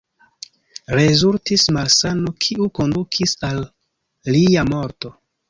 Rezultis malsano, kiu kondukis al lia morto.